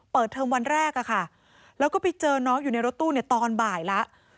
เทอมวันแรกอะค่ะแล้วก็ไปเจอน้องอยู่ในรถตู้เนี่ยตอนบ่ายแล้ว